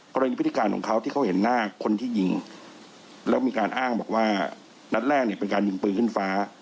พฤติการของเขาที่เขาเห็นหน้าคนที่ยิงแล้วมีการอ้างบอกว่านัดแรกเนี่ยเป็นการยิงปืนขึ้นฟ้า